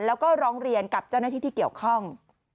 แล้วก็ร้องเรียนกับเจ้าหน้าที่ที่เกี่ยวข้อง